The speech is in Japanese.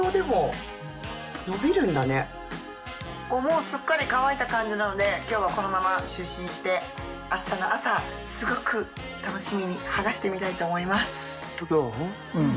もうすっかり乾いた感じなので今日はこのまま就寝してあしたの朝すごく楽しみに剥がしてみたいと思います。